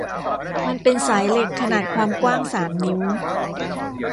มันเป็นสายเหล็กขนาดความกว้างสามนิ้ว